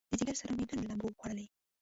د ځیګر سره مې ګنډ لمبو خوړلی